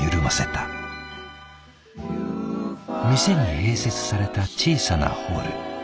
店に併設された小さなホール。